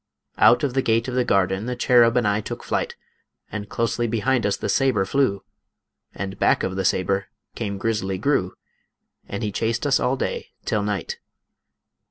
Out of the gate of the garden The cherub and I took flight, And closely behind us the saber flew, And back of the saber came Grizzly Gru, And he chased us all day till night.